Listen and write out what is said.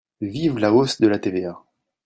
Vive la hausse de la TVA